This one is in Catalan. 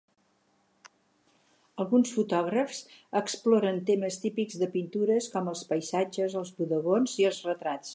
Alguns fotògrafs exploren temes típics de pintures com els paisatges, els bodegons i els retrats.